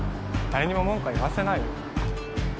誰にも文句は言わせないよ。